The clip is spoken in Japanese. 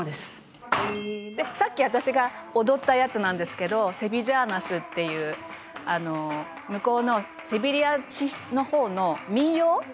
「さっき私が踊ったやつなんですけどセビジャーナスっていう向こうのセビリアの方の民謡みたいです」